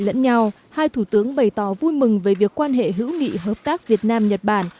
lẫn nhau hai thủ tướng bày tỏ vui mừng về việc quan hệ hữu nghị hợp tác việt nam nhật bản